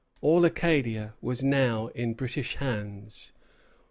All Acadia was now in British hands.